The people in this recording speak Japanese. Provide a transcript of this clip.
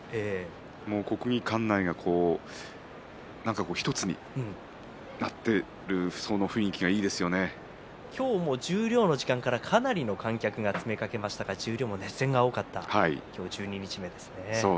もう国技館内が何か１つになっている今日も十両の時間からかなりの観客が詰めかけましたが十両でも熱戦が多かった今日十二日目ですね。